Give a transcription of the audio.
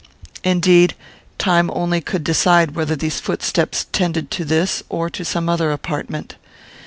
Indeed, time only could decide whether these footsteps tended to this, or to some other, apartment.